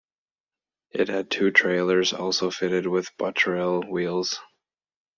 It had two trailers also fitted with Bottrill wheels.